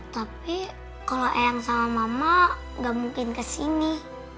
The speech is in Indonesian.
tapi kalau eyang sama mama gak mungkin kesini